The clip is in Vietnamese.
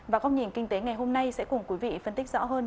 và góc nhìn kinh tế ngày hôm nay sẽ cùng quý vị phân tích rõ hơn